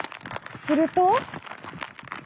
すると。